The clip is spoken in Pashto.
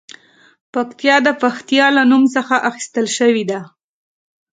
پکتیا د پښتیا له نوم څخه اخیستل شوې ده